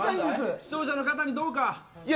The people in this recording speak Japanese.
視聴者の方にどうか。